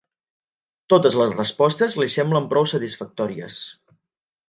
Totes les respostes li semblen prou satisfactòries.